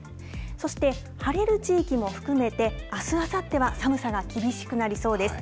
そして、晴れる地域も含めて、あす、あさっては寒さが厳しくなりそうです。